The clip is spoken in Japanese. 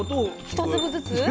一粒ずつ？